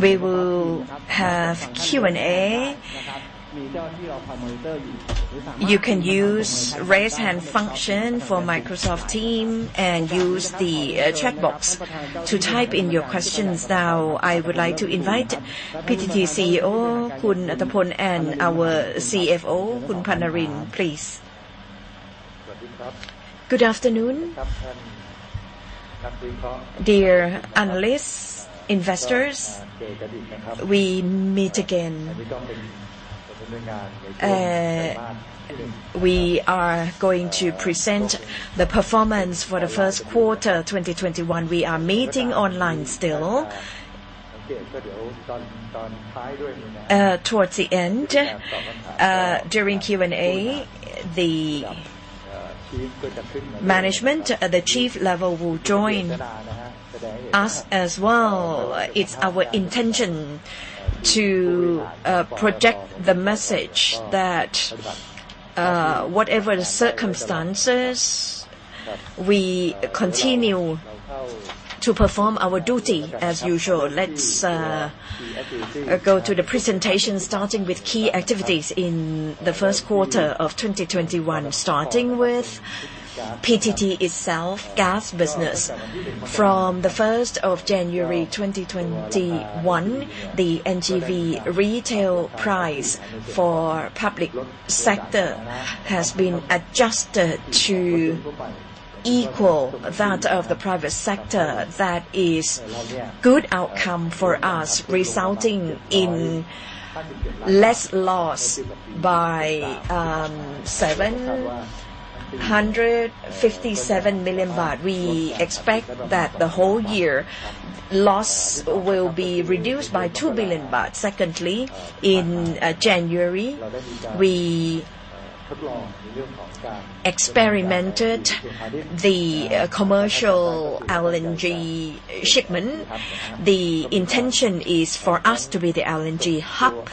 We will have Q&A. You can use raise hand function for Microsoft Teams and use the chat box to type in your questions. Now, I would like to invite PTT CEO, Khun Auttapol, and our CFO, Khun Pannalin, please. Good afternoon, dear analysts, investors. We meet again. We are going to present the performance for the first quarter of 2021. We are meeting online still. Towards the end, during Q&A, the management at the chief level will join us as well. It's our intention to project the message that whatever the circumstances, we continue to perform our duty as usual. Let's go to the presentation, starting with key activities in the first quarter of 2021. Starting with PTT itself, gas business. From the 1st of January 2021, the NGV retail price for public sector has been adjusted to equal that of the private sector. That is good outcome for us, resulting in less loss by 757 million baht. We expect that the whole year loss will be reduced by 2 billion baht. In January, we experimented the commercial LNG shipment. The intention is for us to be the LNG hub.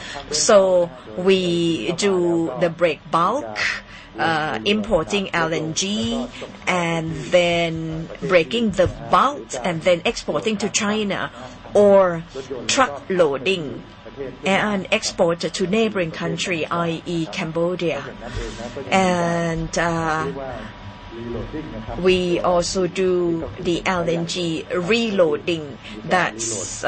We do the break bulk, importing LNG, and then breaking the bulk and then exporting to China, or truck loading and export it to neighboring country, i.e., Cambodia. We also do the LNG reloading. That's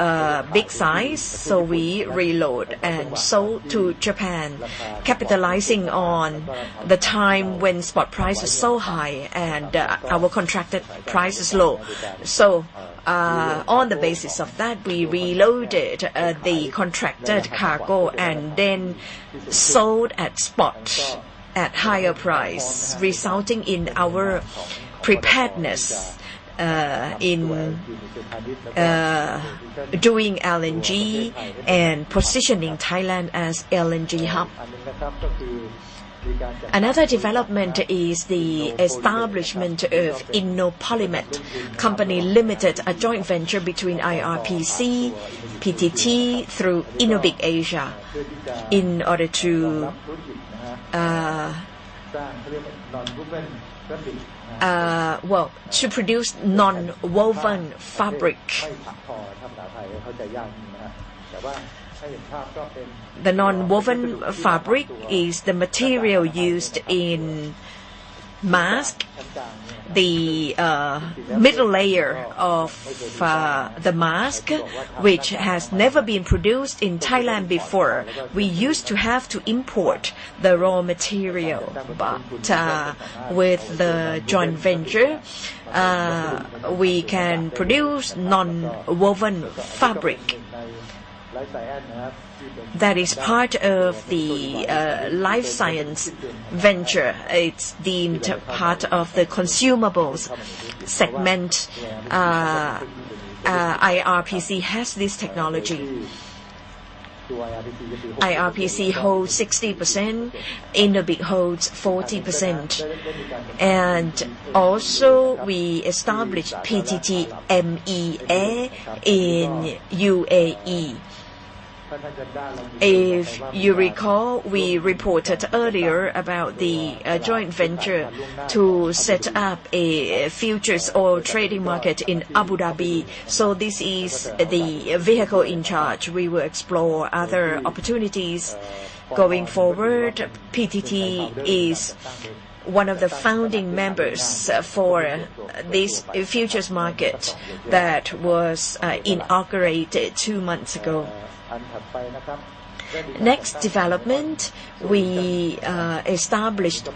big size, so we reload and sell to Japan, capitalizing on the time when spot price is so high and our contracted price is low. On the basis of that, we reloaded the contracted cargo and then sold at spot at higher price, resulting in our preparedness in doing LNG and positioning Thailand as LNG hub. Another development is the establishment of Innopolymed Company Limited, a joint venture between IRPC, PTT through Innobic Asia. In order to produce nonwoven fabric. The nonwoven fabric is the material used in mask, the middle layer of the mask, which has never been produced in Thailand before. We used to have to import the raw material. With the joint venture, we can produce nonwoven fabric. That is part of the life science venture. It's deemed part of the consumables segment. IRPC has this technology. IRPC holds 60%, Innobic holds 40%. Also, we established PTT MEA in UAE. If you recall, we reported earlier about the joint venture to set up a futures oil trading market in Abu Dhabi. This is the vehicle in charge. We will explore other opportunities going forward. PTT is one of the founding members for this futures market that was inaugurated two months ago. Next development, we established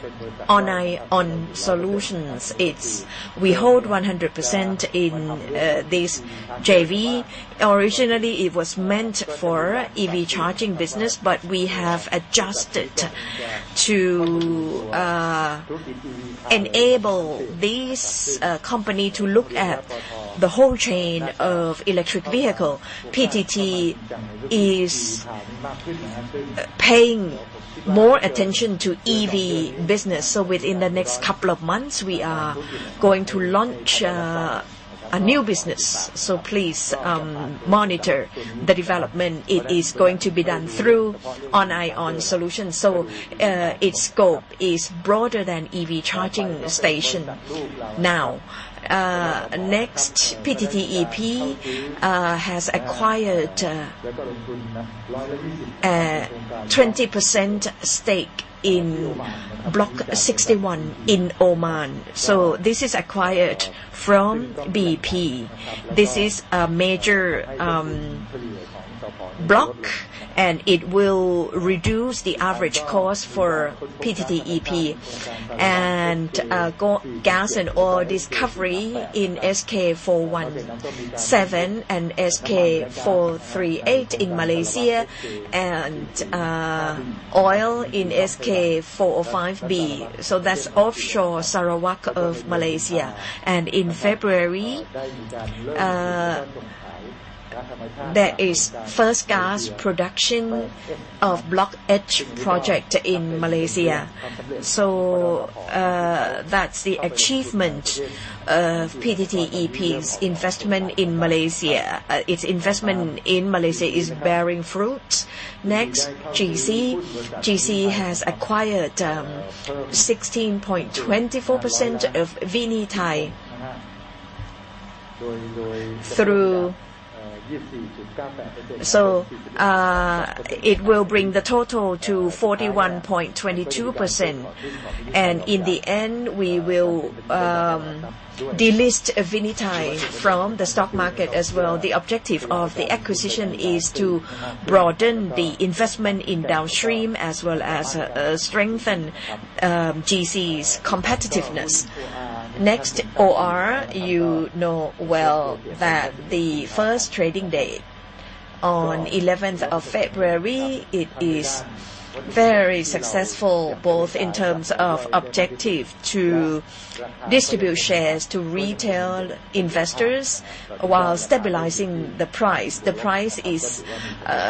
ARUN PLUS. We hold 100% in this JV. Originally, it was meant for EV charging business, but we have adjusted to enable this company to look at the whole chain of electric vehicle. PTT is paying more attention to EV business. Within the next couple of months, we are going to launch a new business. Please monitor the development. It is going to be done through ARUN PLUS. Its scope is broader than EV charging station. Next, PTTEP has acquired a 20% stake in Oman Block 61. This is acquired from BP. This is a major block, and it will reduce the average cost for PTTEP. Gas and oil discovery in SK-417 and SK-438 in Malaysia, and oil in SK-405B. That's offshore Sarawak of Malaysia. In February, there is first gas production of Block H project in Malaysia. That's the achievement of PTTEP's investment in Malaysia. Its investment in Malaysia is bearing fruit. Next, GC. GC has acquired 16.24% of Vinythai. It will bring the total to 41.22%. In the end, we will delist Vinythai from the stock market as well. The objective of the acquisition is to broaden the investment in downstream as well as strengthen GC's competitiveness. Next, OR. You know well that the first trading day on 11th of February, it is very successful both in terms of objective to distribute shares to retail investors while stabilizing the price. The price is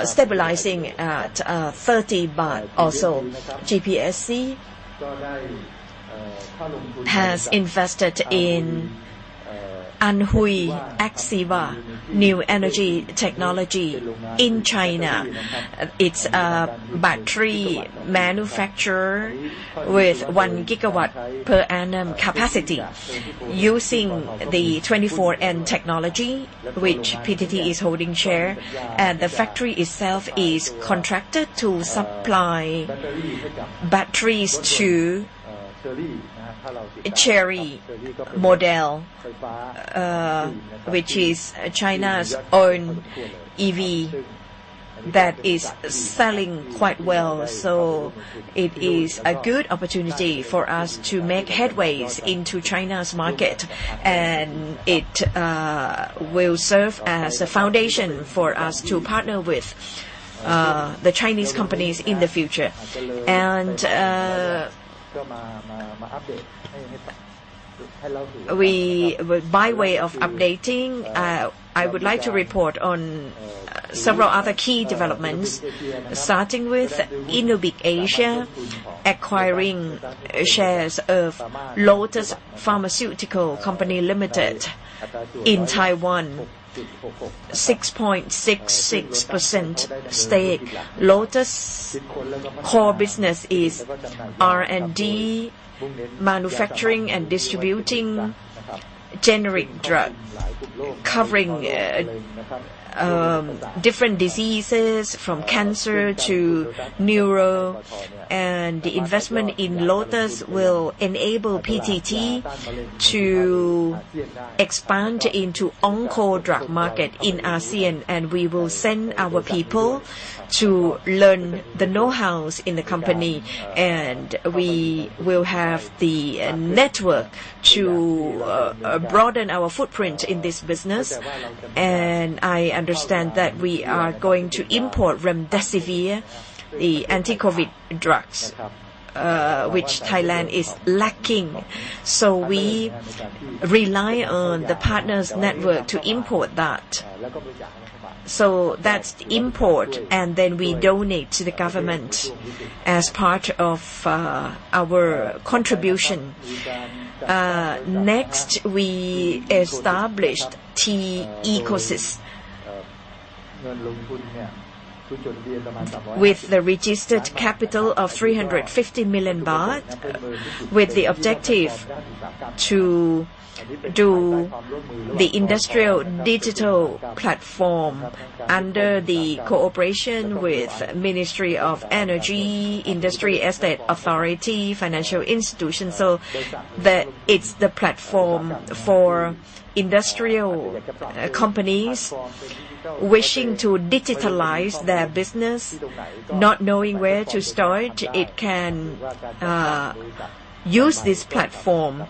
stabilizing at THB 30 also. GPSC has invested in Anhui Axxiva New Energy Technology Co., Ltd. in China. It's a battery manufacturer with 1 GW per annum capacity using the 24M Technologies, which PTT is holding share. The factory itself is contracted to supply batteries to Chery, which is China's own EV that is selling quite well. It is a good opportunity for us to make headways into China's market, and it will serve as a foundation for us to partner with the Chinese companies in the future. By way of updating, I would like to report on several other key developments. Starting with Innobic Asia acquiring shares of Lotus Pharmaceutical Co., Ltd. in Taiwan, 6.66% stake. Lotus core business is R&D, manufacturing, and distributing generic drugs, covering different diseases from cancer to neural. The investment in Lotus will enable PTT to expand into onco drug market in ASEAN. We will send our people to learn the know-hows in the company, and we will have the network to broaden our footprint in this business. I understand that we are going to import remdesivir, the anti-COVID drugs, which Thailand is lacking. We rely on the partner's network to import that. That's import, and then we donate to the government as part of our contribution. Next, we established T-ECOSYS, with the registered capital of 350 million baht, with the objective to do the industrial digital platform under the cooperation with Ministry of Energy, Industrial Estate Authority of Thailand, financial institutions. That it's the platform for industrial companies wishing to digitalize their business, not knowing where to start. It can use this platform.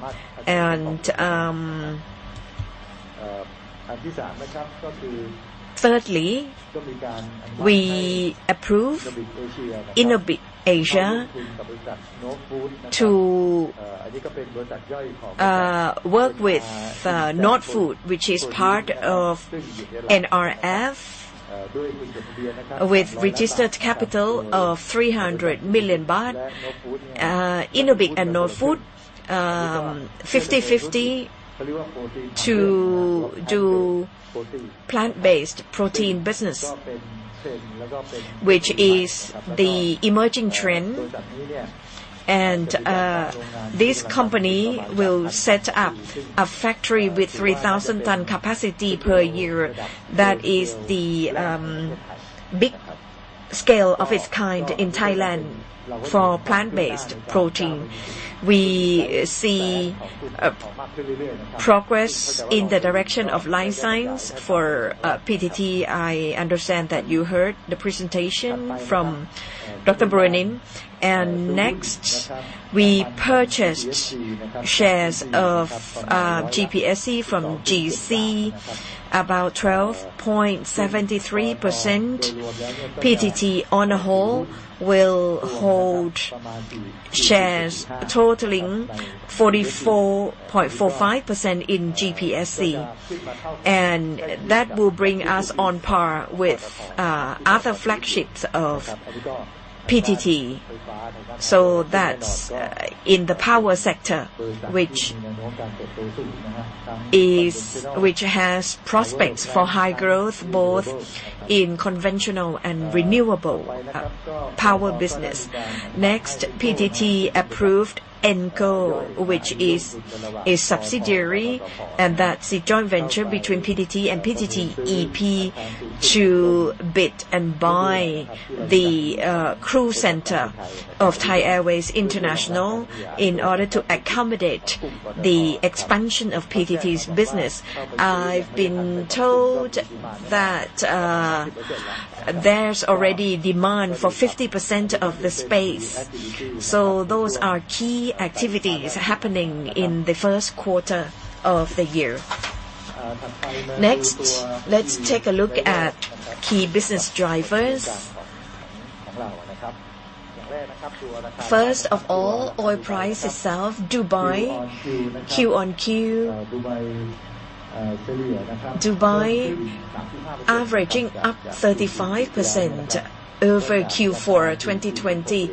Thirdly, we approve Innobic Asia to work with Nove Foods, which is part of NRF, with registered capital of 300 million THB. Innobic and Nove Foods, 50/50 todo plant-based protein business, which is the emerging trend. This company will set up a factory with 3,000 ton capacity per year. That is the big scale of its kind in Thailand for plant-based protein. We see progress in the direction of life science for PTT. I understand that you heard the presentation from Dr. Buranin Rattanasombat. Next, we purchased shares of GPSC from GC, about 12.73%. PTT on a whole will hold shares totaling 44.45% in GPSC, and that will bring us on par with other flagships of PTT. That's in the power sector, which has prospects for high growth, both in conventional and renewable power business. PTT approved EnCo, which is a subsidiary, and that's a joint venture between PTT and PTTEP, to bid and buy the crew center of Thai Airways International in order to accommodate the expansion of PTT's business. I've been told that there's already demand for 50% of the space. Those are key activities happening in the first quarter of the year. Let's take a look at key business drivers. First of all, oil price itself, Dubai Q-on-Q. Dubai averaging up 35% over Q4 2020.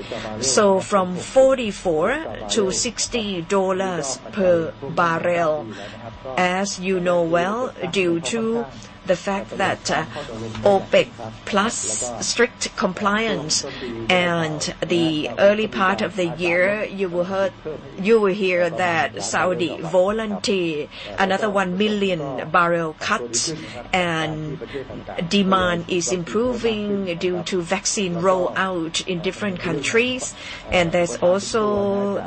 From $44-$60 per barrel. As you know well, due to the fact that OPEC+ strict compliance and the early part of the year, you will hear that Saudi volunteer another 1 million barrel cut and demand is improving due to vaccine rollout in different countries. There's also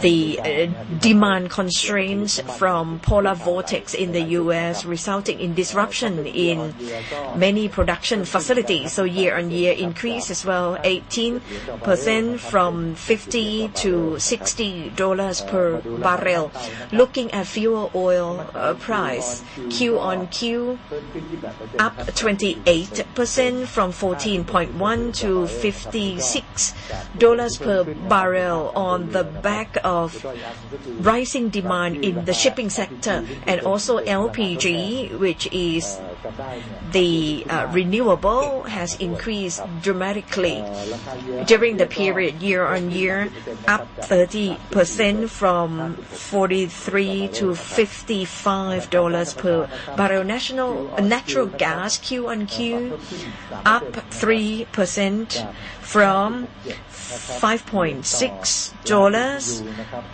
the demand constraints from polar vortex in the U.S. resulting in disruption in many production facilities. Year-on-year increase as well, 18% from $50 to $60 per barrel. Looking at fuel oil price. Q-on-Q up 28% from $14.1 to $56 per barrel on the back of rising demand in the shipping sector. Also LPG, which is the renewable, has increased dramatically during the period year-on-year, up 30% from $43 to $55 per barrel. Natural gas Q-on-Q up 3% from $5.6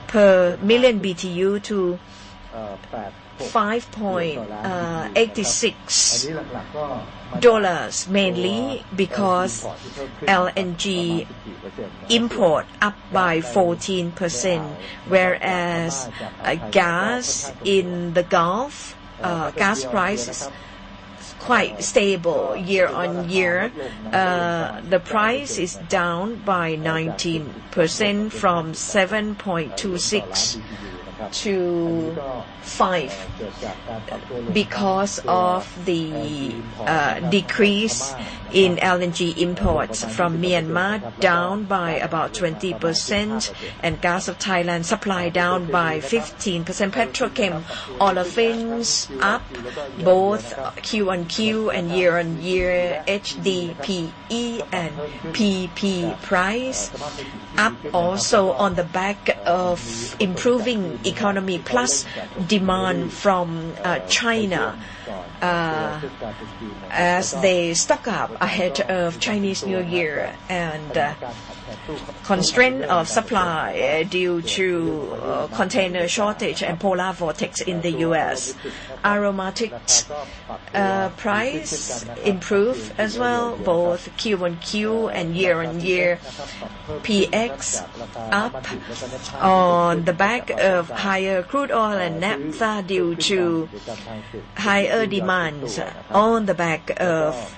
per million BTU to $5.86, mainly because LNG import up by 14%. Gas in the Gulf, gas prices quite stable year-on-year. The price is down by 19% from $7.26 to $5. Because of the decrease in LNG imports from Myanmar, down by about 20%, and Gas of Thailand supply down by 15%. Petrochem olefins up both Q-on-Q and year-on-year. HDPE and PP price up also on the back of improving economy plus demand from China as they stock up ahead of Chinese New Year and constraint of supply due to container shortage and polar vortex in the U.S. Aromatics price improve as well, both Q-on-Q and year-on-year. PX up on the back of higher crude oil and naphtha due to higher demand on the back of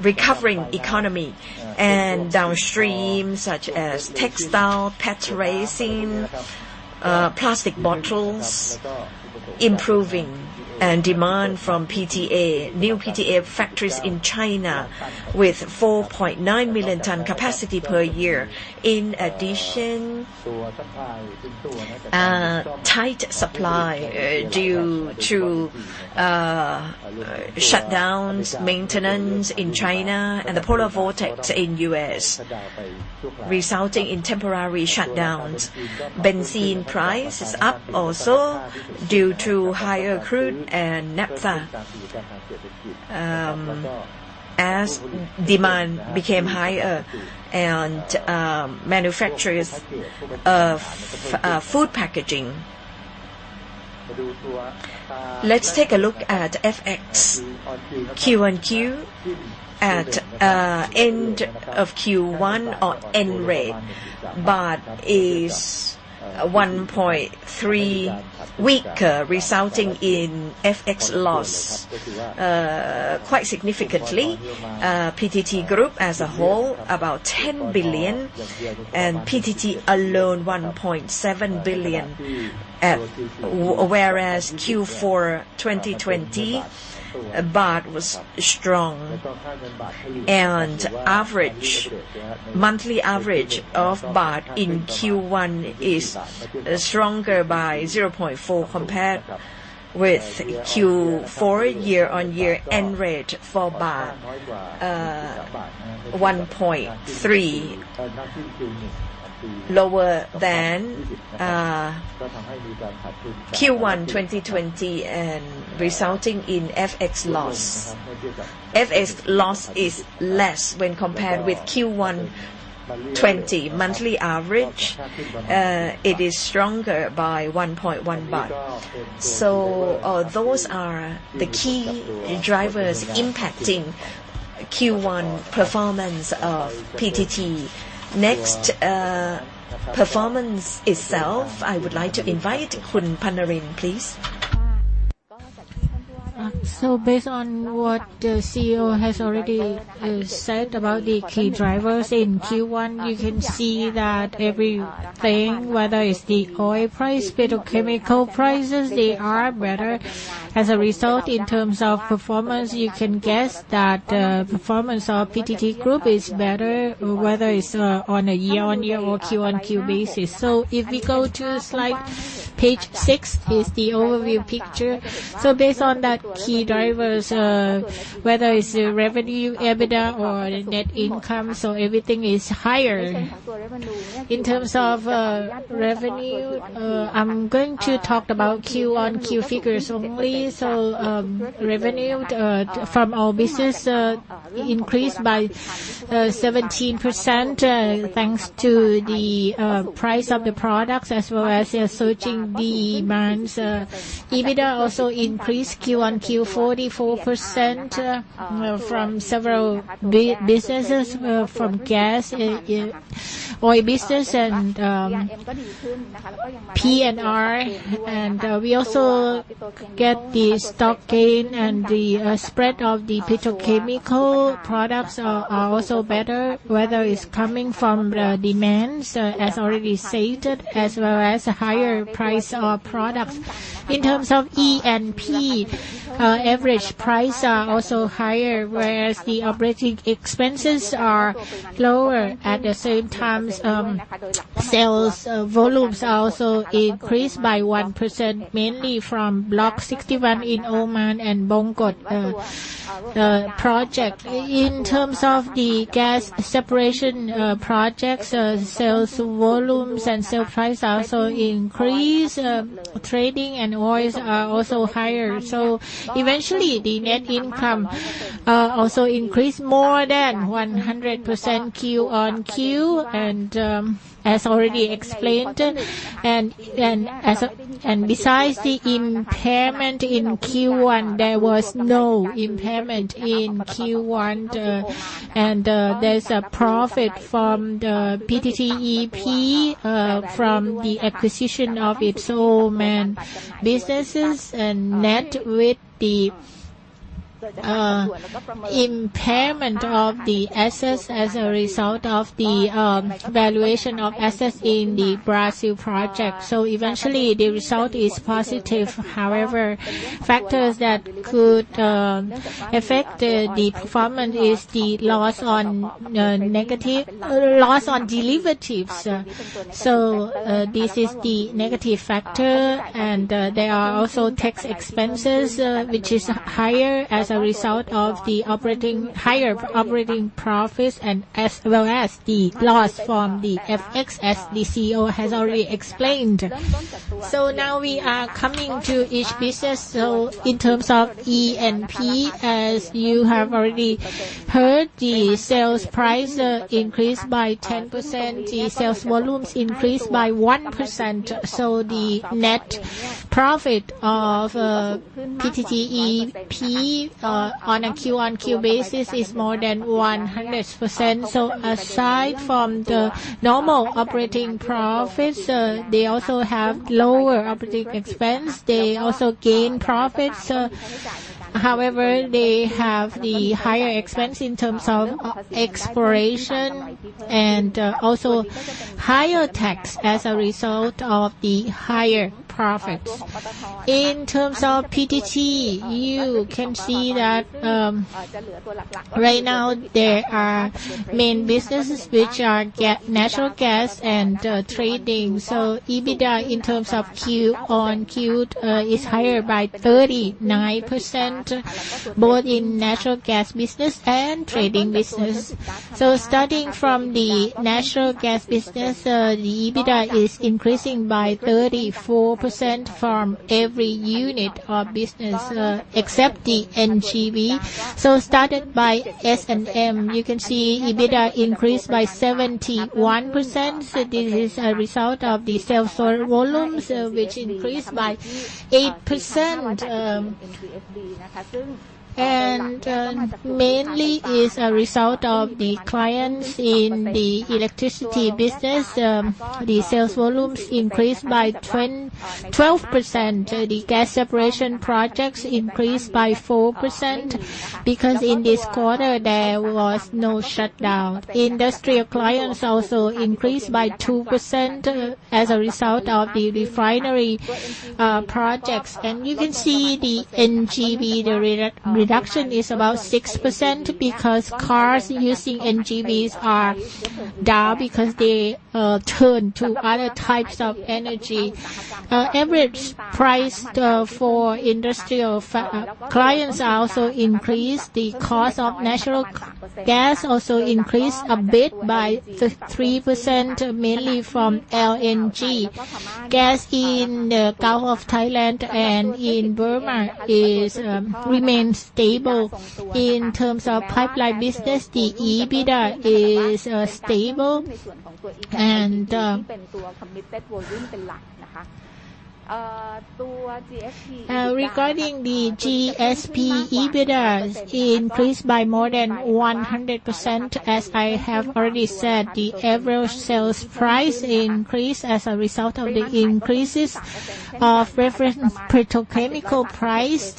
recovering economy and downstream such as textile, PET resin, plastic bottles improving and demand from PTA. New PTA factories in China with 4.9 million tons capacity per year. In addition, tight supply due to shutdowns, maintenance in China, and the polar vortex in U.S., resulting in temporary shutdowns. Gasoline prices up also due to higher crude and naphtha as demand became higher and manufacturers of food packaging. Let's take a look at FX quarter-over-quarter at end of Q1 or average. Baht is 1.3 weaker, resulting in FX loss quite significantly. PTT Group as a whole, about 10 billion. PTT alone, 1.7 billion. Whereas Q4 2020, baht was strong and monthly average of baht in Q1 is stronger by 0.4 compared with Q4 year-over-year average for baht, THB 1.3 lower than Q1 2020 and resulting in FX loss. FX loss is less when compared with Q1 2020 monthly average. It is stronger by 1.1 baht. Those are the key drivers impacting Q1 performance of PTT. Next, performance itself. I would like to invite Khun Pannalin, please. Based on what the CEO has already said about the key drivers in Q1, you can see that everything, whether it's the oil price, petrochemical prices, they are better. As a result, in terms of performance, you can guess that the performance of PTT Group is better, whether it's on a year-on-year or Q1-on-Q basis. If you go to slide page six, it's the overview picture. Based on that key drivers, whether it's the revenue, EBITDA or net income, everything is higher. In terms of revenue, I am going to talk about Q1-on-Q figures only. Revenue from our business increased by 17% thanks to the price of the products as well as the surging demands. EBITDA also increased Q1-on-Q 44% from several businesses from gas, oil business and P&R. We also get the stock gain and the spread of the petrochemical products are also better, whether it's coming from the demands as already stated, as well as higher price of products. In terms of E&P, average price are also higher, whereas the operating expenses are lower. At the same time, sales volumes also increased by 1%, mainly from Block 61 in Oman and Bongkot project. In terms of the gas separation projects, sales volumes and sales price also increased. Trading and oils are also higher. Eventually, the net income also increased more than 100% Q-on-Q and as already explained. Besides the impairment in Q1, there was no impairment in Q1. There's a profit from the PTTEP from the acquisition of its Oman businesses and net with the impairment of the assets as a result of the valuation of assets in the Brazil project. Eventually, the result is positive. However, factors that could affect the performance is the loss on derivatives. This is the negative factor, and there are also tax expenses, which is higher as a result of the higher operating profits and as well as the loss from the FX as the CEO has already explained. Now we are coming to each business. In terms of E&P, as you have already heard, the sales price increased by 10%, the sales volumes increased by 1%. The net profit of PTTEP on a Q-on-Q basis is more than 100%. Aside from the normal operating profits, they also have lower operating expense. They also gain profits. However, they have the higher expense in terms of exploration and also higher tax as a result of the higher profits. In terms of PTT, you can see that right now there are main businesses which are natural gas and trading. EBITDA in terms of Q-on-Q is higher by 39%, both in natural gas business and trading business. Starting from the natural gas business, the EBITDA is increasing by 34% from every unit of business except the NGV. Started by SMM, you can see EBITDA increased by 71%. This is a result of the sales for volumes which increased by 8%. Mainly is a result of the clients in the electricity business. The sales volumes increased by 12%. The gas separation projects increased by 4% because in this quarter there was no shutdown. Industrial clients also increased by 2% as a result of the refinery projects. You can see the NGV, the reduction is about 6% because cars using NGVs are down because they turn to other types of energy. Average price for industrial clients are also increased. The cost of natural gas also increased a bit by 3%, mainly from LNG. Gas in the south of Thailand and in Burma remains stable. In terms of pipeline business, the EBITDA is stable. Regarding the GSP EBITDA, it increased by more than 100%. As I have already said, the average sales price increase as a result of the increases of reference petrochemical price.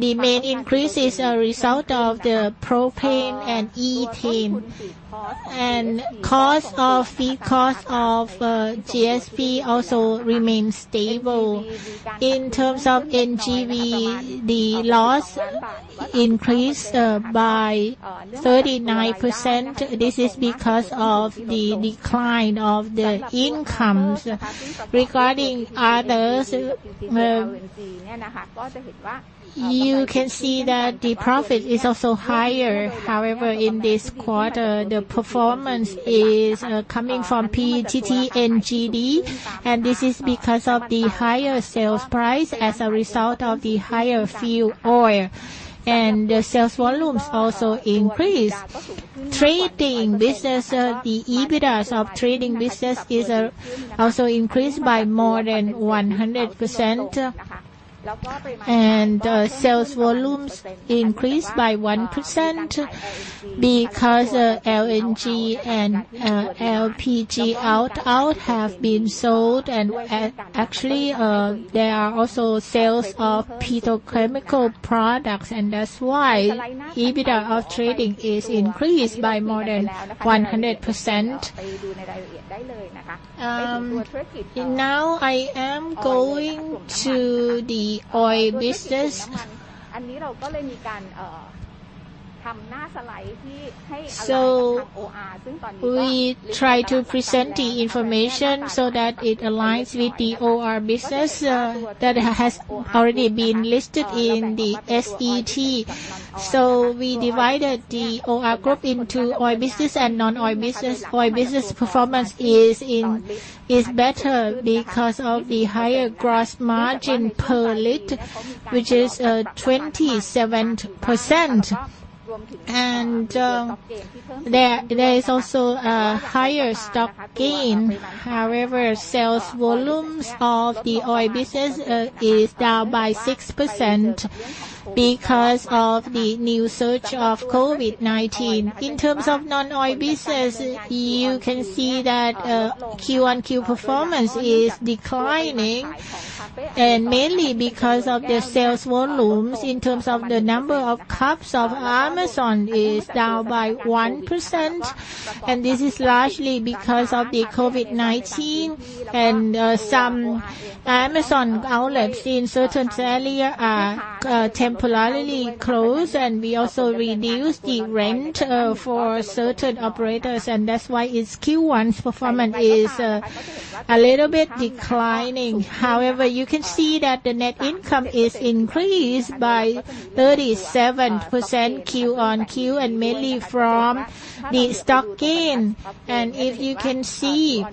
The main increase is a result of the propane and ethane. Feed cost of GSP also remains stable. In terms of NGV, the loss increased by 39%. This is because of the decline of the incomes. Regarding others, you can see that the profit is also higher. However, in this quarter, the performance is coming from PTT NGD, and this is because of the higher sales price as a result of the higher fuel oil. The sales volumes also increased. Trading business, the EBITDA of trading business also increased by more than 100%. Sales volumes increased by 1% because LNG and LPG out have been sold. Actually, there are also sales of petrochemical products, and that's why EBITDA of trading is increased by more than 100%. Now I am going to the oil business. We try to present the information so that it aligns with the OR business that has already been listed in the SET. We divided the OR Group into oil business and non-oil business. Oil business performance is better because of the higher gross margin per liter, which is 27%. There is also a higher stock gain. Sales volumes of the oil business is down by 6% because of the new surge of COVID-19. In terms of non-oil business, you can see that Q1Q performance is declining, mainly because of the sales volumes. In terms of the number of cups of Amazon is down by 1%, this is largely because of the COVID-19. Some Amazon outlets in certain areas are temporarily closed, we also reduced the rent for certain operators, that's why its Q1's performance is a little bit declining. You can see that the net income is increased by 37% Q1Q, mainly from the stock gain. If you can see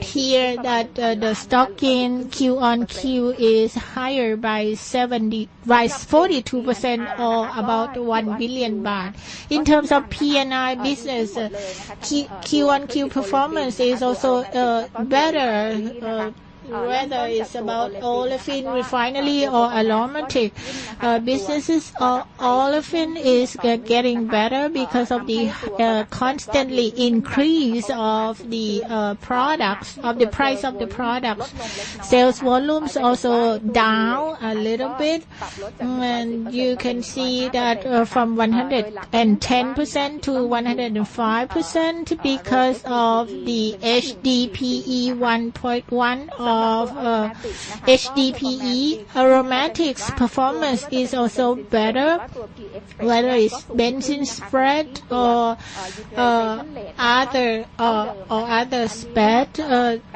here that the stock gain Q1Q is higher by 42% or about 1 billion baht. In terms of P&R business, Q1Q performance is also better. Whether it's about olefin refinery or aromatics, businesses are all of them is getting better because of the constantly increase of the price of the product. Sales volume is also down a little bit, and you can see that from 110% to 105% because of the HDPE 1.1 of HDPE. Aromatics performance is also better, whether it's benzene spread or other spread,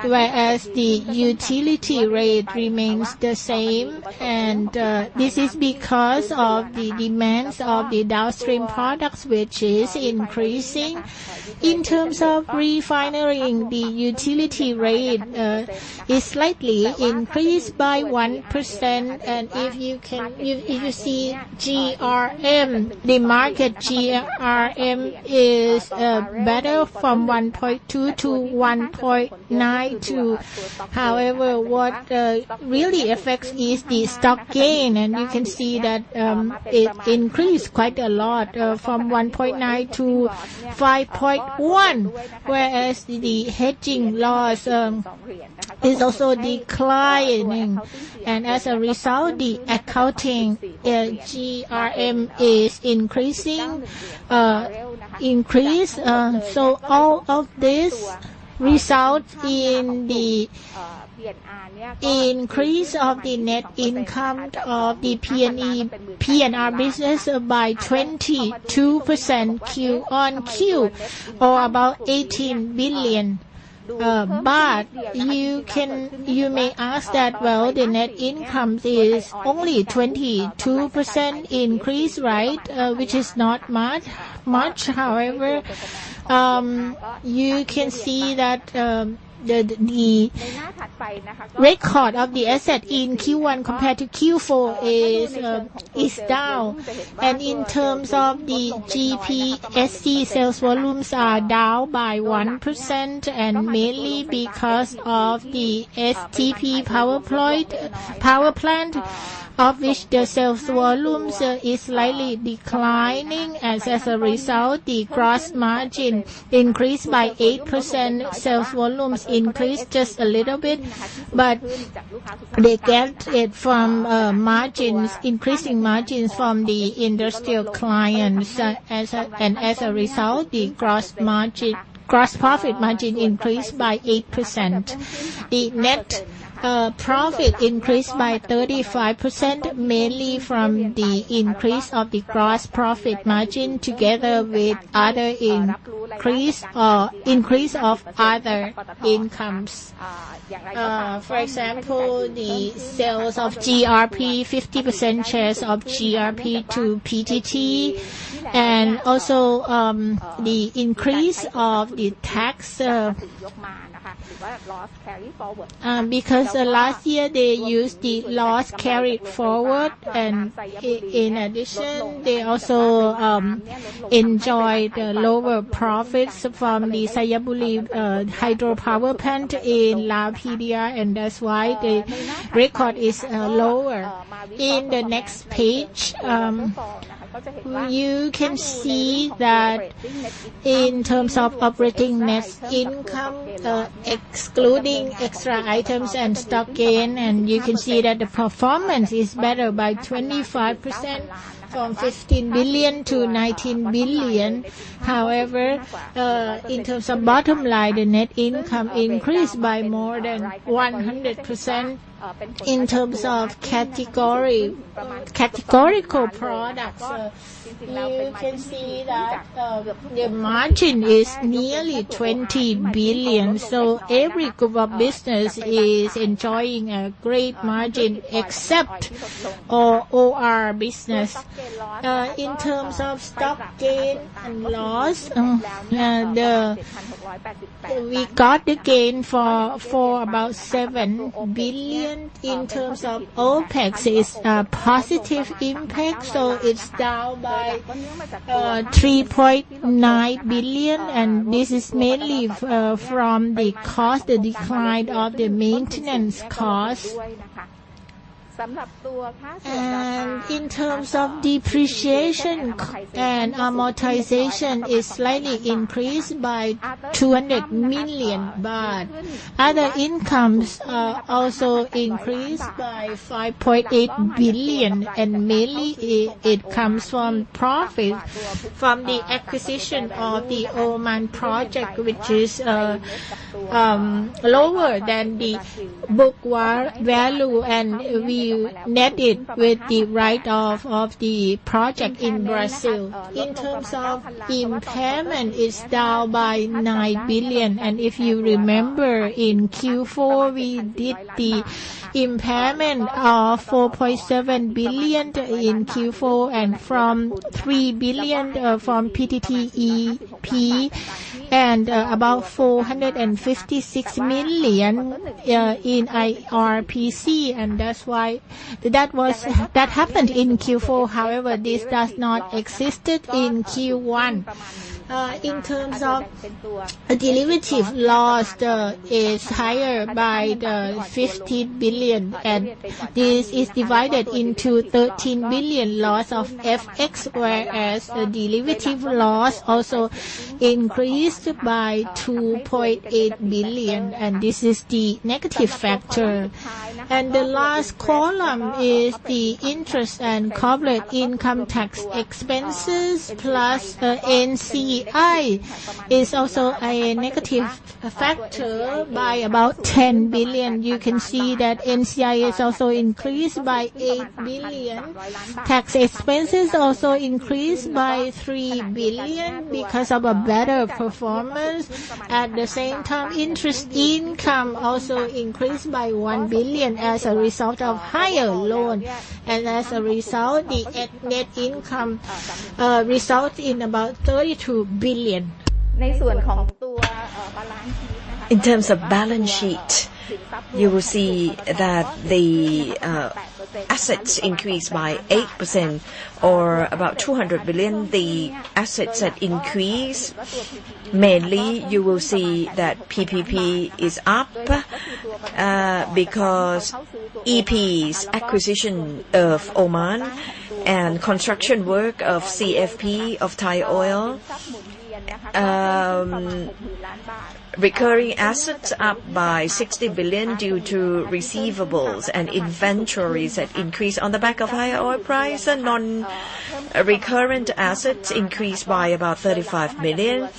whereas the utility rate remains the same, and this is because of the demands of the downstream products, which is increasing. In terms of refinery, the utility rate is slightly increased by 1%. If you see GRM, the market GRM is better from 1.2 to 1.92. What really affects is the stock gain, and you can see that it increased quite a lot from 1.9 to 5.1, whereas the hedging loss is also declining, and as a result, the accounting GRM is increasing. All of this results in the increase of the net income of the P&R business by 22% Q-on-Q or about THB 18 billion. You may ask that, well, the net income is only 25% increase, which is not much. You can see that the record of the asset in Q1 compared to Q4 is down, and in terms of the GPSC sales volumes are down by 1% and mainly because of the SPP power plant, of which the sales volume is slightly declining, and as a result, the gross margin increased by 8%. Sales volumes increased just a little bit. They get it from increasing margins from the industrial clients. As a result, the gross profit margin increased by 8%. The net profit increased by 35%, mainly from the increase of the gross profit margin together with increase of other incomes. For example, the sales of GRP, 50% shares of GRP to PTT. Also, the increase of the tax because the last year they used the loss carried forward. In addition, they also enjoy the lower profits from the Xayaburi hydropower plant in Lao PDR. That's why the record is lower. In the next page, you can see that in terms of operating net income, excluding extra items and stock gain. You can see that the performance is better by 25%, from 15 billion to 19 billion. In terms of bottom line, the net income increased by more than 100%. In terms of categorical products, you can see that the margin is nearly 20 billion. Every group of business is enjoying a great margin except our OR business. In terms of stock gain and loss, we got the gain for about 7 billion. In terms of OpEx, it's a positive impact, it's down by 3.9 billion, this is mainly from the cost, the decline of the maintenance cost. In terms of depreciation and amortization, it slightly increased by 200 million baht, other incomes also increased by 5.8 billion, mainly it comes from profit from the acquisition of the Oman project, which is lower than the book value, we net it with the write-off of the project in Brazil. In terms of impairment, it's down by 9 billion. If you remember in Q4, we did the impairment of 4.7 billion in Q4 and from 3 billion from PTTEP and about 456 million in IRPC. That happened in Q4, however, this does not existed in Q1. In terms of derivatives loss is higher by 15 billion, and this is divided into 13 billion loss of FX, whereas the derivative loss also increased by 2.8 billion, and this is the negative factor. The last column is the interest and current income tax expenses plus NCI. It's also a negative factor by about 10 billion. You can see that NCI is also increased by 8 billion. Tax expenses also increased by 3 billion because of a better performance. At the same time, interest income also increased by 1 billion as a result of higher loan. As a result, the net income results in about THB 32 billion. In terms of balance sheet, you will see that the assets increased by 8% or about 200 billion. The assets have increased. Mainly, you will see that PP&E is up because PTTEP's acquisition of Oman and construction work of CFP of Thai Oil. Recurring assets up by 60 billion due to receivables and inventories have increased on the back of higher oil price. Non-recurrent assets increased by about 35 billion,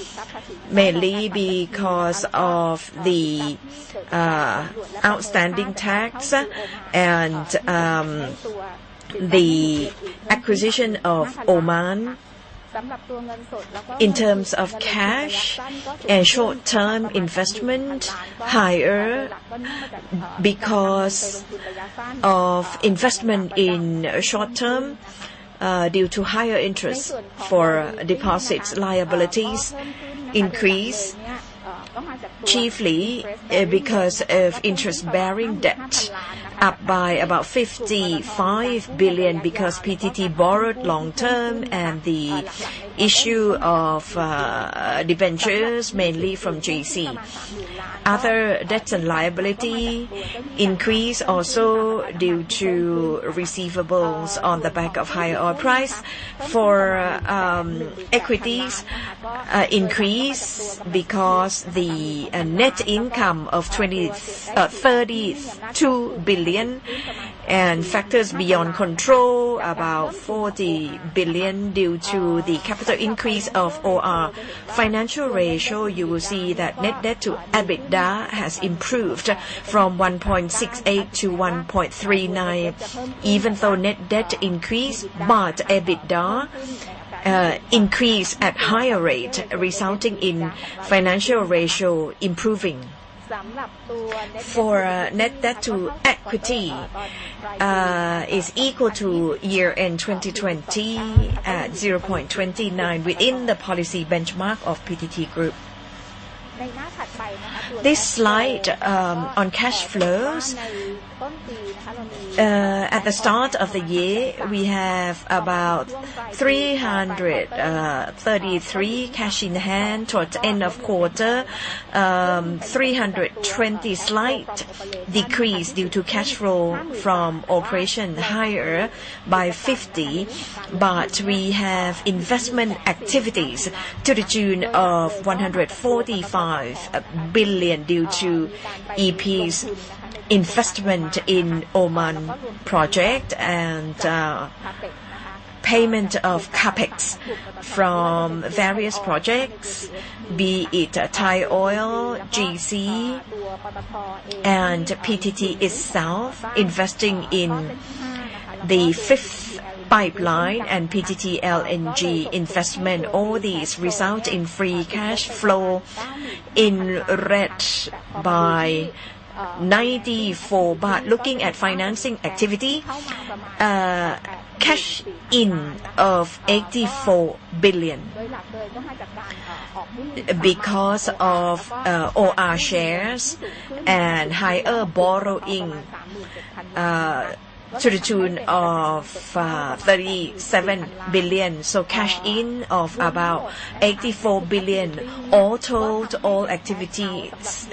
mainly because of the outstanding tax and the acquisition of Oman. In terms of cash and short-term investment, higher because of investment in short term due to higher interest. For deposits, liabilities increased chiefly because of interest-bearing debt up by about 55 billion because PTT borrowed long-term and the issue of debentures mainly from GC. Other debts and liability increased also due to receivables on the back of higher oil price. For equities, increase because the net income of 32 billion and factors beyond control about 40 billion due to the capital increase of OR. Financial ratio, you will see that net debt to EBITDA has improved from 1.68 to 1.39 even though net debt increased. EBITDA increased at higher rate, resulting in financial ratio improving. For net debt to equity is equal to year-end 2020 at 0.29 within the policy benchmark of PTT Group. This slide on cash flows. At the start of the year, we have about 333 cash in hand towards the end of quarter, 320 slight decrease due to cash flow from operation higher by 50. We have investment activities to the tune of 145 billion due to PTTEP's investment in Oman project and payment of CapEx from various projects, be it Thai Oil, GC, and PTT itself investing in the fifth pipeline and PTT LNG investment. All these result in free cash flow in red by 94 billion. Looking at financing activity, cash in of 84 billion because of OR shares and higher borrowing to the tune of 37 billion. Cash in of about 84 billion. All told, all activities,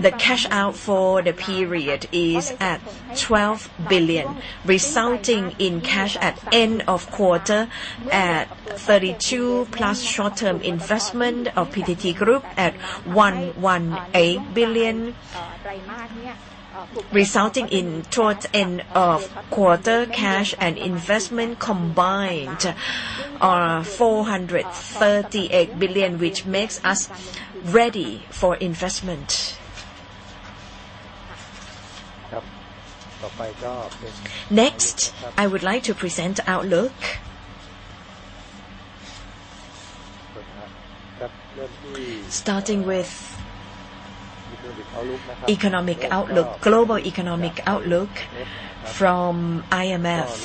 the cash out for the period is at 12 billion, resulting in cash at end of quarter at 32 billion plus short-term investment of PTT Group at 118 billion, resulting in towards end of quarter cash and investment combined are 438 billion, which makes us ready for investment. Next, I would like to present outlook. Starting with global economic outlook from IMF.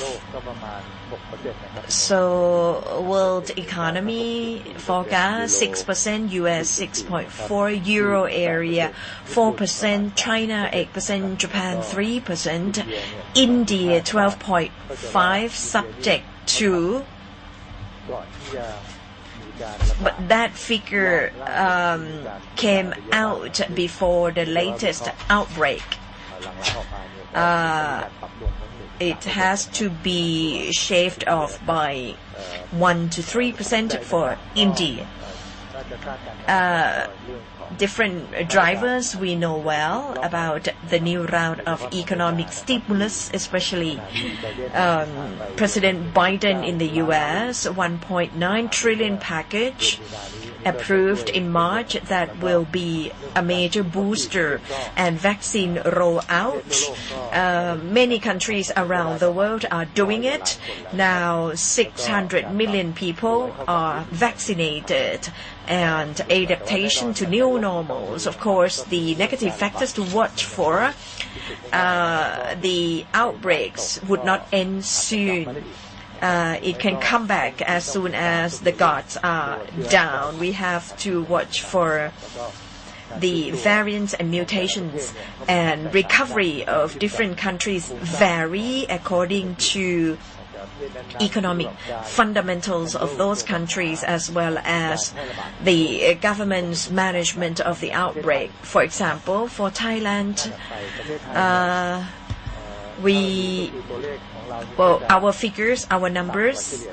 World economy forecast 6%, U.S. 6.4%, Euro area 4%, China 8%, Japan 3%, India 12.5%, subject to. That figure came out before the latest outbreak. It has to be shaved off by 1%-3% for India. Different drivers we know well about the new round of economic stimulus, especially President Biden in the U.S. $1.9 trillion package approved in March that will be a major booster. Vaccine rollout, many countries around the world are doing it. Now 600 million people are vaccinated. Adaptation to new normals. Of course, the negative factors to watch for. The outbreaks would not end soon. It can come back as soon as the guards are down. We have to watch for the variants and mutations, and recovery of different countries vary according to economic fundamentals of those countries, as well as the government's management of the outbreak. For example, for Thailand our figures, our numbers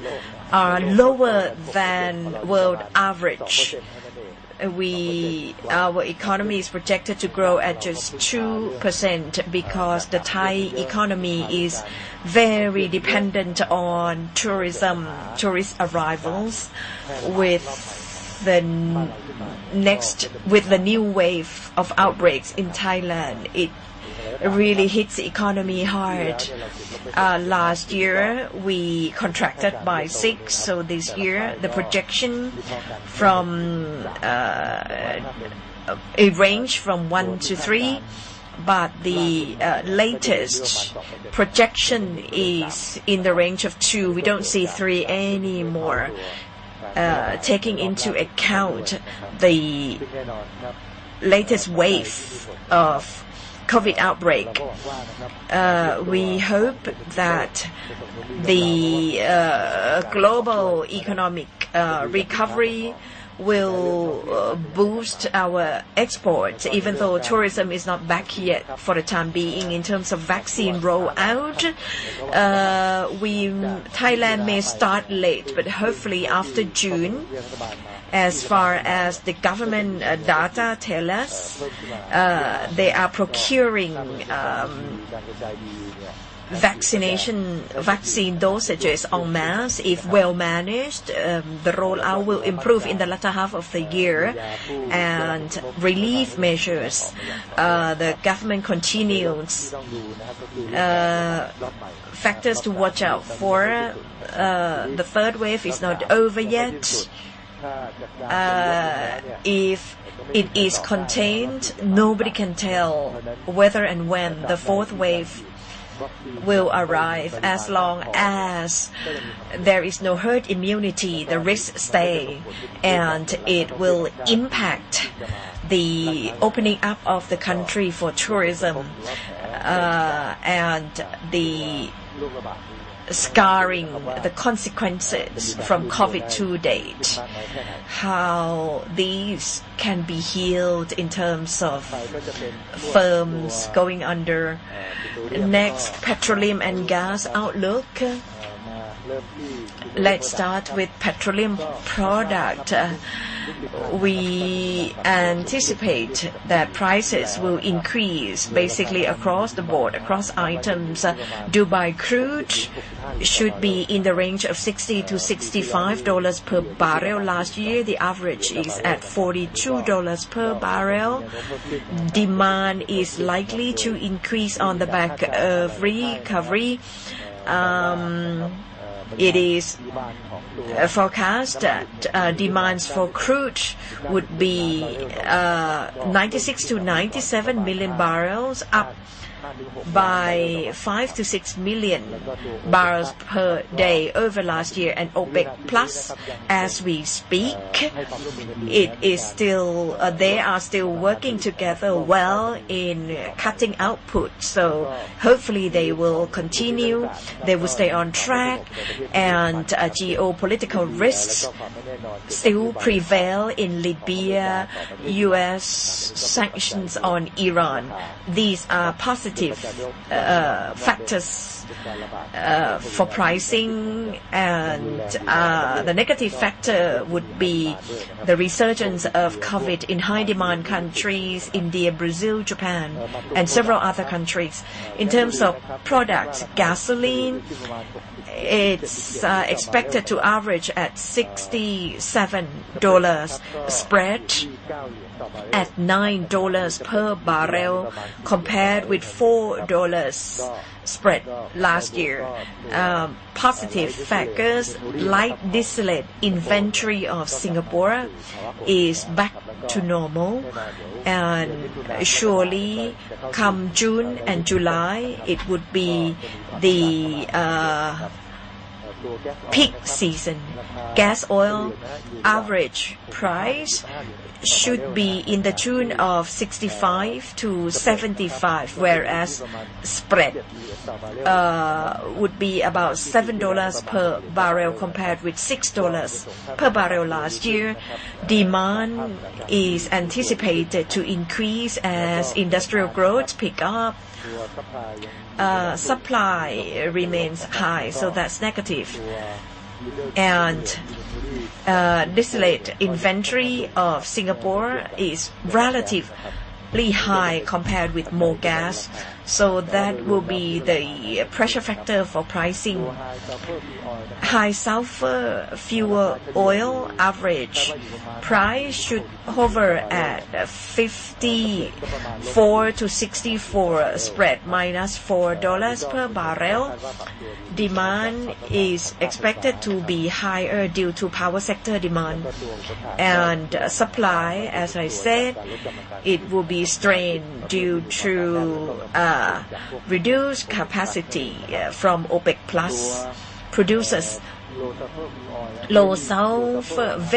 are lower than world average. Our economy is projected to grow at just 2% because the Thai economy is very dependent on tourism, tourist arrivals. With the new wave of outbreaks in Thailand, it really hits the economy hard. Last year we contracted by 6%, so this year the projection from a range from 1%-3%, but the latest projection is in the range of 2%. We don't see 3% anymore, taking into account the latest wave of COVID outbreak. We hope that the global economic recovery will boost our exports, even though tourism is not back yet for the time being. In terms of vaccine rollout Thailand may start late, but hopefully after June. As far as the government data tell us, they are procuring vaccine dosages en masse. If well managed, the rollout will improve in the latter half of the year. Relief measures the government continues. Factors to watch out for, the third wave is not over yet. If it is contained, nobody can tell whether and when the fourth wave will arrive. As long as there is no herd immunity, the risks stay, and it will impact the opening up of the country for tourism, and the scarring, the consequences from COVID to date, how these can be healed in terms of firms going under. Next, petroleum and gas outlook. Let's start with petroleum product. We anticipate that prices will increase basically across the board, across items. Dubai crude should be in the range of $60-$65 per barrel. Last year, the average is at $42 per barrel. Demand is likely to increase on the back of recovery. It is forecast that demands for crude would be 96 million-97 million barrels, up by 5 million-6 million barrels per day over last year. OPEC+, as we speak, they are still working together well in cutting output. Hopefully, they will continue, they will stay on track. Geopolitical risks still prevail in Libya, U.S. sanctions on Iran. These are positive factors for pricing, and the negative factor would be the resurgence of COVID in high demand countries, India, Brazil, Japan, and several other countries. In terms of product gasoline, it is expected to average at $67 spread, at $9 per barrel compared with $4 spread last year. Positive factors light distillate inventory of Singapore is back to normal and surely come June and July it would be the peak season. Gas oil average price should be in the tune of $65-$75, spread would be about $7 per barrel compared with $6 per barrel last year. Demand is anticipated to increase as industrial growth pick up. Supply remains high, that's negative. Distillate inventory of Singapore is relatively high compared with more gas. That will be the pressure factor for pricing. High sulfur fuel oil average price should hover at $54-$64 spread minus $4 per barrel. Demand is expected to be higher due to power sector demand and supply, as I said, it will be strained due to reduced capacity from OPEC+ producers.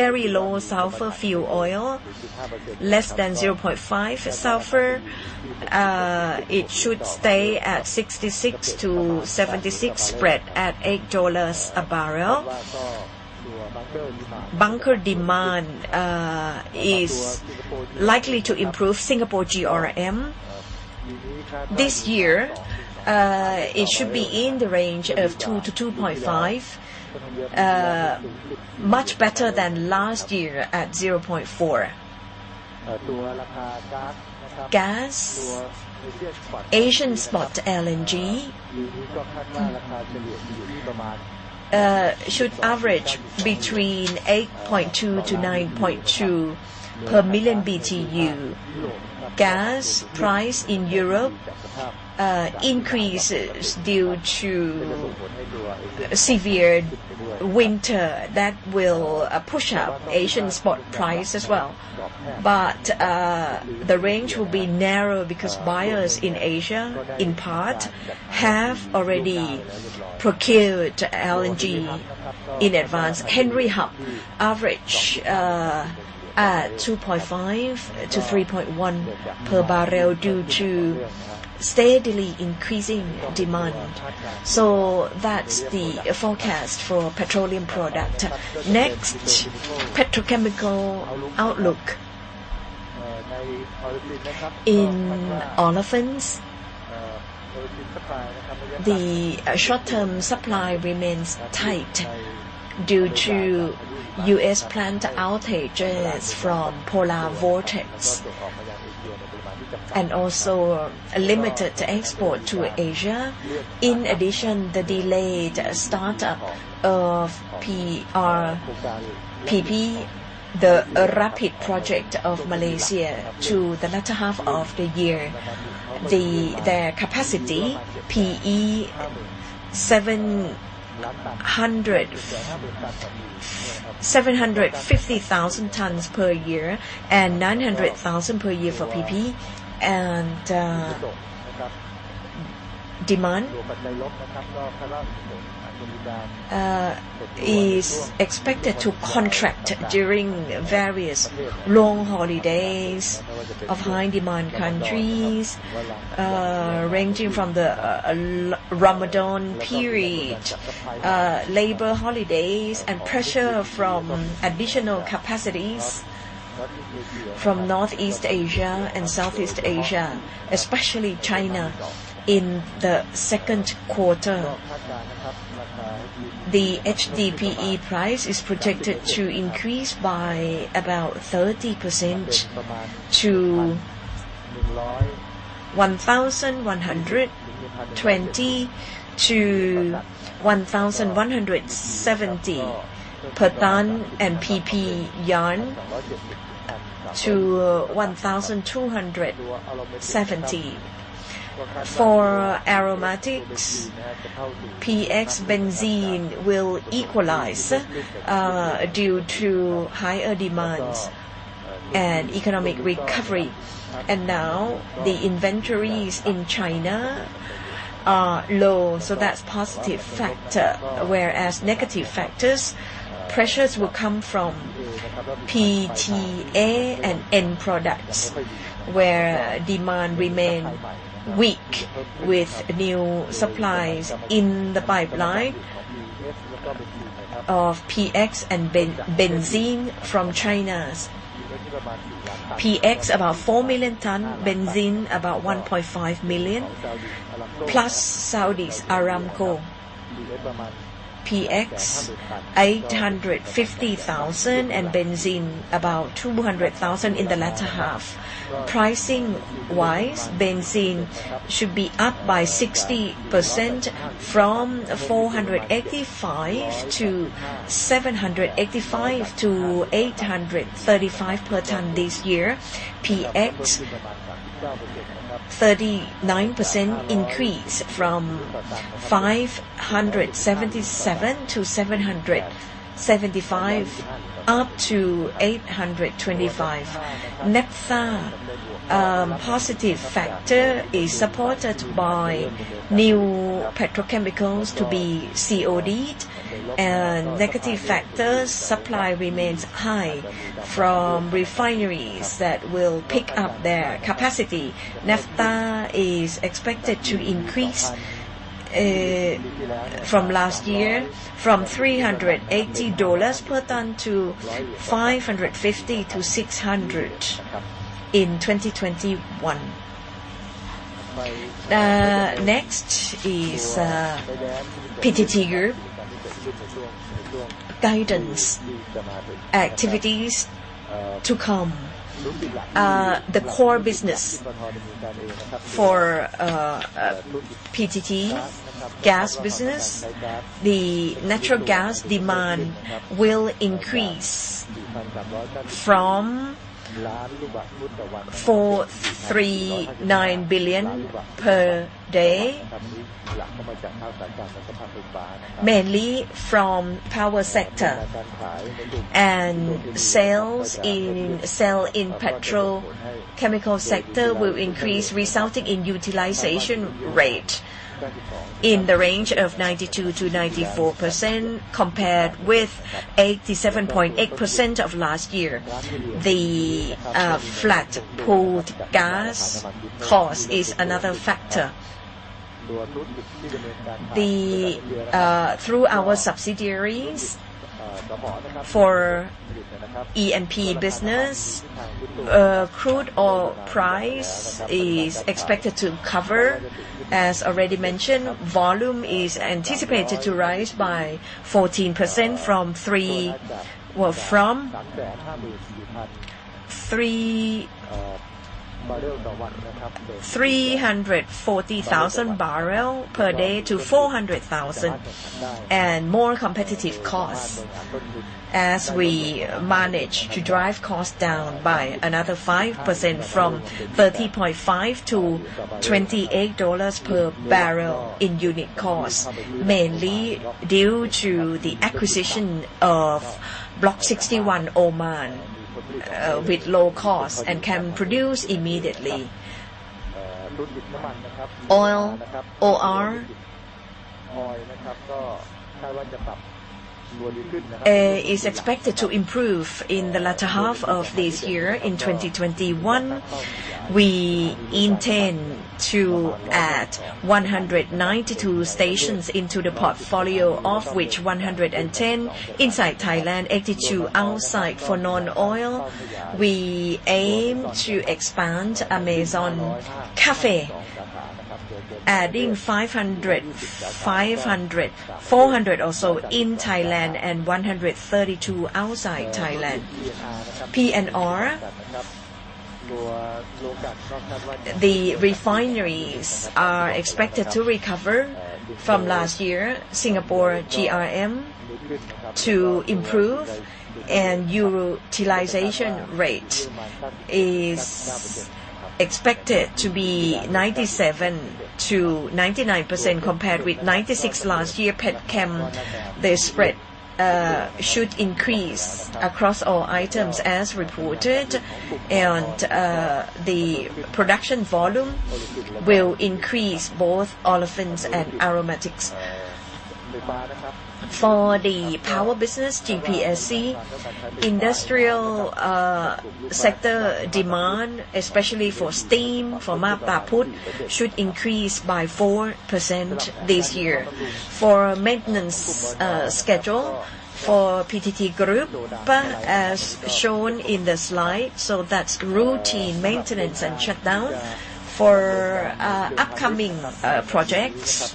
Very low sulfur fuel oil, less than 0.5 sulfur, it should stay at $66-$76 spread at $8 a barrel. Bunker demand is likely to improve Singapore GRM. This year, it should be in the range of 2-2.5, much better than last year at 0.4. Gas, Asian spot LNG, should average between $8.2-$9.2 per million BTU. Gas price in Europe increases due to severe winter. That will push up Asian spot price as well. The range will be narrow because buyers in Asia, in part, have already procured LNG in advance. Henry Hub average at $2.5-$3.1 per barrel due to steadily increasing demand. That's the forecast for petroleum product. Next, petrochemical outlook. In olefins, the short-term supply remains tight due to U.S. plant outage alerts from polar vortex and also limited export to Asia. In addition, the delayed start-up of RAPID, the RAPID project of Malaysia to the latter half of the year. Their capacity, PE 750,000 tons per year and 900,000 per year for PP, and demand is expected to contract during various long holidays of high demand countries, ranging from the Ramadan period, labor holidays, and pressure from additional capacities from Northeast Asia and Southeast Asia, especially China in the second quarter. The HDPE price is projected to increase by about 30% to 1,120-1,170 per ton, and PP yarn to 1,270. For aromatics, PX benzene will equalize due to higher demands and economic recovery. Now the inventories in China are low, so that's positive factor. Whereas negative factors, pressures will come from PTA and end products, where demand remain weak with new supplies in the pipeline of PX and benzene from China. PX about 4 million ton, benzene about 1.5 million, plus Saudi Aramco PX 850,000 and benzene about 200,000 in the latter half. Pricing-wise, benzene should be up by 60% from $485 to $785 to $835 per ton this year. PX, 39% increase from $577 to $775, up to $825. Naphtha positive factor is supported by new petrochemicals to be CODed. Negative factors supply remains high from refineries that will pick up their capacity. Naphtha is expected to increase from last year from $380 per ton to $550-$600 in 2021. Next is PTT Group guidance. Activities to come. The core business for PTT gas business, the natural gas demand will increase from 439 billion per day, mainly from power sector. Sales in petrochemical sector will increase, resulting in utilization rate in the range of 92%-94%, compared with 87.8% of last year. The flat pool gas cost is another factor. Through our subsidiaries for E&P business, crude oil price is expected to recover. As already mentioned, volume is anticipated to rise by 14% from 340,000 barrel per day to 400,000. More competitive costs as we manage to drive costs down by another 5% from $30.5 to $28 per barrel in unit cost, mainly due to the acquisition of Oman Block 61 with low cost and can produce immediately. OR is expected to improve in the latter half of this year. In 2021, we intend to add 192 stations into the portfolio, of which 110 inside Thailand, 82 outside. For non-oil, we aim to expand Café Amazon, adding 500, 400 also in Thailand and 132 outside Thailand. P&R, the refineries are expected to recover from last year. Singapore GRM to improve. Utilization rate is expected to be 97%-99%, compared with 96% last year. Power business, GPSC, industrial sector demand, especially for steam for Map Ta Phut, should increase by 4% this year. Maintenance schedule for PTT Group, as shown in the slide. That's routine maintenance and shutdown. Upcoming projects,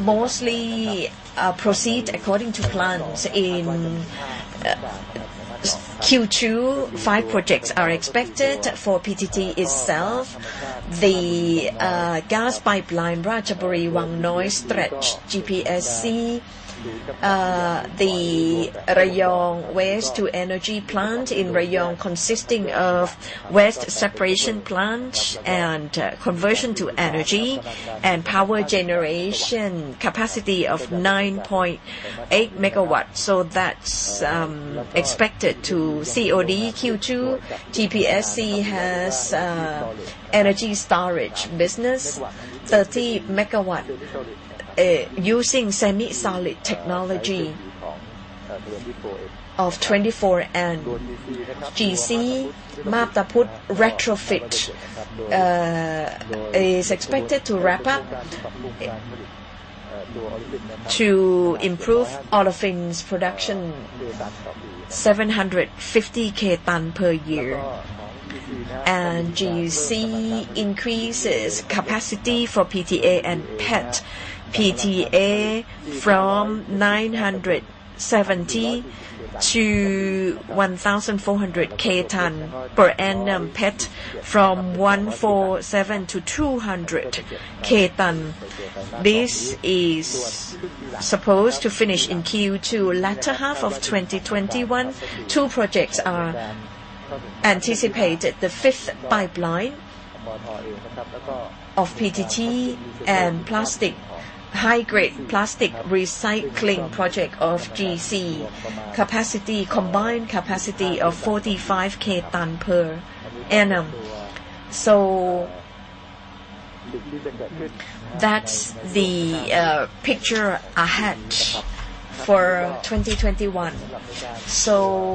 mostly proceed according to plans in Q2. Five projects are expected for PTT itself. The gas pipeline Ratchaburi-Wang Noi stretch. GPSC, the Rayong waste to energy plant in Rayong, consisting of waste separation plant and conversion to energy and power generation capacity of 9.8 MW. That's expected to COD Q2. GPSC has energy storage business, 30 MW using semi-solid technology of 24M. GC Map Ta Phut Retrofit is expected to wrap up to improve olefins production, 750,000 tons per year. GC increases capacity for PTA and PET. PTA from 970,000 to 1,400,000 ton per annum. PET from 147,000 to 200,000 ton. This is supposed to finish in Q2, latter half of 2021. Two projects are anticipated. The fifth pipeline of PTT and high-grade plastic recycling project of GC. Combined capacity of 45,000 ton per annum. That's the picture ahead for 2021.